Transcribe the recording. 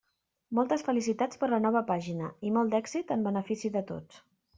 Moltes felicitats per la nova pàgina i molt d'èxit en benefici de tots.